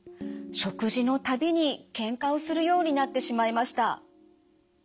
食事の度にけんかをするようになってしまいました。